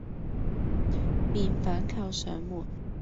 便反扣上門，